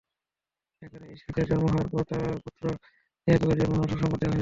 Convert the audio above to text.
এখানে ইসহাকের জন্ম হওয়ার এবং তার থেকে পুত্র ইয়াকূবের জন্ম হওয়ার সুসংবাদ দেয়া হয়েছে।